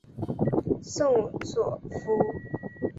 圣索弗。